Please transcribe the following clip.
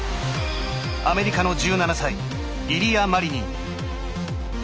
アメリカの１７歳イリア・マリニン。